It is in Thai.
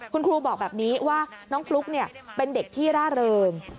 คุณครูบอกแบบนี้ว่าน้องฟลุ๊กเป็นเด็กที่ร่าเริง